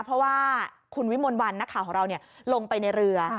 เพราะว่าคุณวิมลวันนักข่าวของเราลงไปในเรือ